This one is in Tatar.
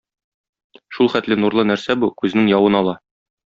Шулхәтле нурлы нәрсә бу, күзнең явын ала.